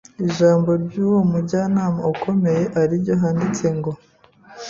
ijambo ry’uwo Mujyanama ukomeye ari ryo: “Handitswe ngo